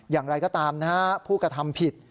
อย่างไรก็ตามนะฮะผู้กระทำผิด